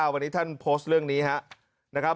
วันนี้ท่านโพสต์เรื่องนี้ครับ